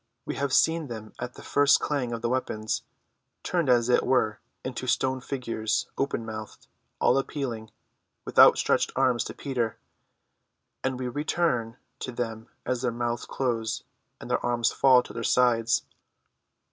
We have seen them at the first clang of the weapons, turned as it were into stone figures, open mouthed, all appealing with outstretched arms to Peter; and we return to them as their mouths close, and their arms fall to their sides.